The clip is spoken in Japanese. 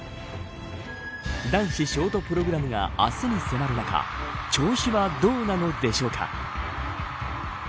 男子ショートプログラムが明日に迫る中調子はどうなのでしょうか。